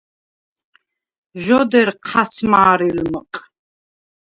ჟ’ოდერ ჴაც მა̄რილმჷყ.